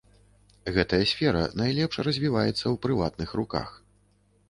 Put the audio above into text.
Гэтая сфера найлепш развіваецца ў прыватных руках.